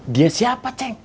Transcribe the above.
dia siapa ceng